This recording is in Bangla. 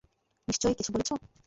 নিশ্চয় কিছু বলছো?